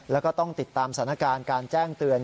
แล้วก็ต้องติดตามสถานการณ์การแจ้งเตือน